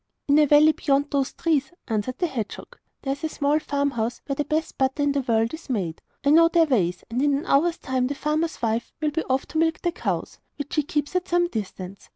'In a valley beyond those trees,' answered the hedgehog, 'there is a small farmhouse where the best butter in the world is made. I know their ways, and in an hour's time the farmer's wife will be off to milk the cows, which she keeps at some distance.